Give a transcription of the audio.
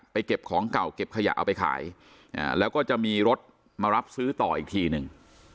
เก็บของเก่าเก็บขยะเอาไปขายแล้วก็จะมีรถมารับซื้อต่ออีกทีหนึ่ง